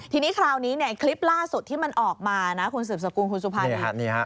ทีนี้คราวนี้คลิปล่าสุดที่มันออกมานะคุณสิบสกุลคุณสุภานี